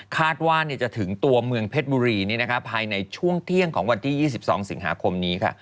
คาดว่าจะถึงตัวเมืองเพชรบุรีภายในช่วงเที่ยงของวันที่๒๒สิงหาคมนี้ค่ะ